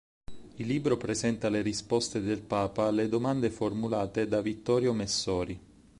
Il libro presenta le risposte del Papa alle domande formulate da Vittorio Messori.